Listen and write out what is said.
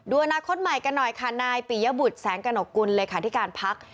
อนาคตใหม่กันหน่อยค่ะนายปิยบุตรแสงกระหนกกุลเลขาธิการพัก